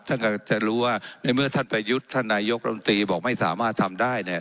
ท่านก็จะรู้ว่าในเมื่อท่านประยุทธ์ท่านนายกรมตรีบอกไม่สามารถทำได้เนี่ย